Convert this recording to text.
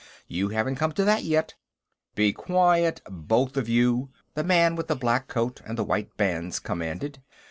You haven't come to that yet." "Be quiet, both of you!" the man with the black coat and the white bands commanded.